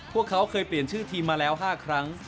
พวกเขาเคยเปลี่ยนชื่อทีมมาแล้ว๕ครั้ง